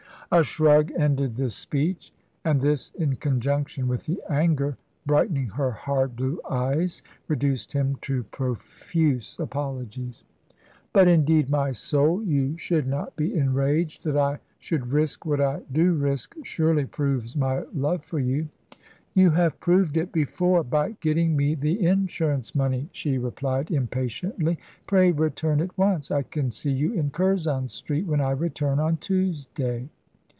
A shrug ended this speech, and this, in conjunction with the anger brightening her hard blue eyes, reduced him to profuse apologies. "But indeed, my soul, you should not be enraged; that I should risk what I do risk surely proves my love for you." "You have proved it before by getting me the insurance money," she replied impatiently; "pray return at once. I can see you in Curzon Street when I return on Tuesday."